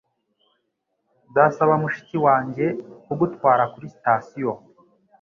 Nzasaba mushiki wanjye kugutwara kuri sitasiyo.